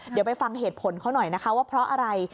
เดี๋ยวไปฟังเหตุผลเขาหน่อยนะคะว่าเพราะอะไร